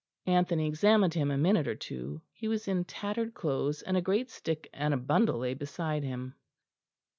Anthony examined him a minute or two; he was in tattered clothes, and a great stick and a bundle lay beside him.